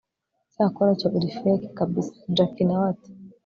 cyakora cyo uri feke kabsa jack nawe ati